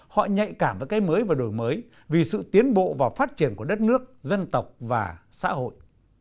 họ nhạy cảm với cái mới và đổi mới vì sự tiến bộ và phát triển của đất nước dân tộc và xã hội